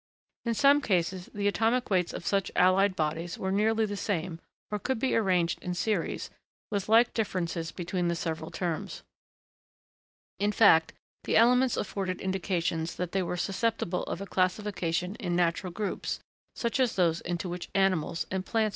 In some cases, the atomic weights of such allied bodies were nearly the same, or could be arranged in series, with like differences between the several terms. In fact, the elements afforded indications that they were susceptible of a classification in natural groups, such as those into which animals and plants fall.